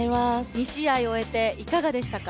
２試合終えていかがでしたか？